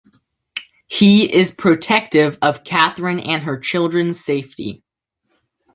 He is protective of Kathryn and her children's safety.